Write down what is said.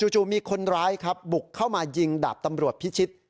จู่มีคนร้ายครับบุกเข้ามายิงดาบตำรวจพิชิต